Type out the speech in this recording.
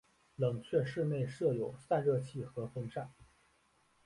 冷却室内设有散热器和风扇。